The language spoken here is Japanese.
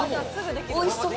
おいしそう！